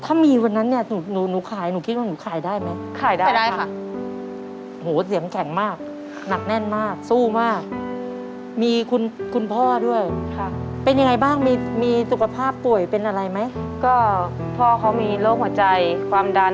ถ้ามีวันนั้นเนี่ยหนูขายหนูคิดว่าหนูขายได้ไหม